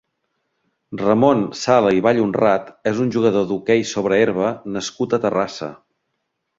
Ramon Sala i Vallhonrat és un jugador d'hoquei sobre herba nascut a Terrassa.